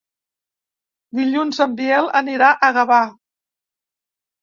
Dilluns en Biel anirà a Gavà.